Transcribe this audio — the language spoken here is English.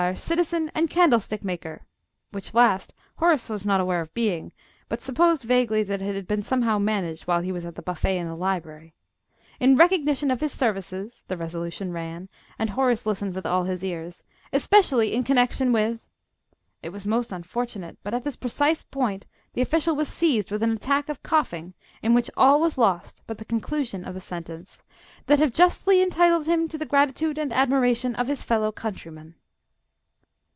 Citizen and Candlestick maker" (which last Horace was not aware of being, but supposed vaguely that it had been somehow managed while he was at the buffet in the Library), "in recognition of his services" the resolution ran, and Horace listened with all his ears "especially in connection with ..." It was most unfortunate but at this precise point the official was seized with an attack of coughing, in which all was lost but the conclusion of the sentence, "... that have justly entitled him to the gratitude and admiration of his fellow countrymen."